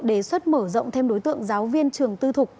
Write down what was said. đề xuất mở rộng thêm đối tượng giáo viên trường tư thục